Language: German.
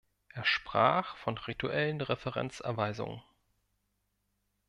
Er sprach von rituellen Referenzerweisungen.